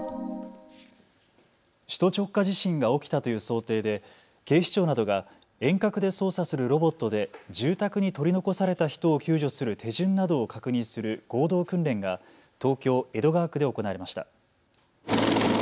首都直下地震が起きたという想定で警視庁などが遠隔で操作するロボットで住宅に取り残された人を救助する手順などを確認する合同訓練が東京江戸川区で行われました。